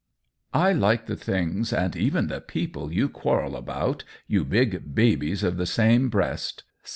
" I like the things and even the people you quarrel about, you big babies of the same breast.